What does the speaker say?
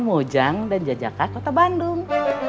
mojang dan jajaka kota bandung